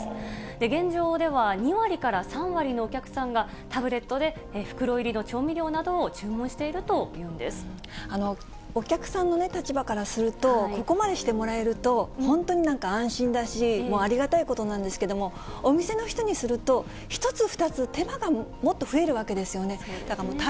現状では、２割から３割のお客さんがタブレットで、袋入りの調味料などを注お客さんの立場からすると、ここまでしてもらえると、本当になんか安心だし、もうありがたいことなんですけど、お店の人にすると、１つ、２つ手間がもっと増えるわけですよね。